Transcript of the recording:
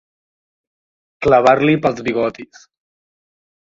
Clavar-li pels bigotis.